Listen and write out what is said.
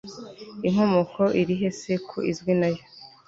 inkomoko iri he se ko izwi nayo